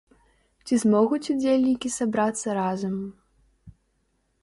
Ці змогуць удзельнікі сабрацца разам?